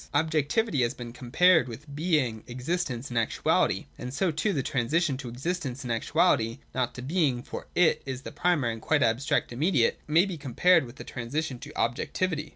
Objectivity has been compared with being, existence, and actuality ; and so too the transition to existence and actuality (not to being, for it is the primary and quite abstract immediate) may be compared with the transition to objectivity.